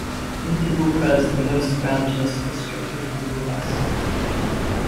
Intibucá is the most mountainous district of Honduras.